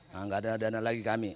nah nggak ada dana lagi kami